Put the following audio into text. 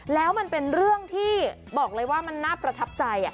แล้วมันเป็นเรื่องที่บอกเลยว่ามันน่าประทับใจ